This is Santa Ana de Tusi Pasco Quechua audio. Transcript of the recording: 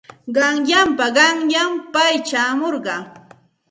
Qanyanpa qanyan pay chayamurqa.